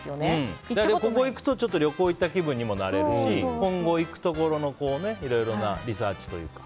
旅行に行った気分にもなれるし今後行くところのいろいろなリサーチというか。